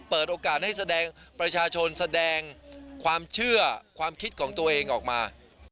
เปิดโอกาสให้แสดงประชาชนแสดงความเชื่อความคิดของตัวเองออกมา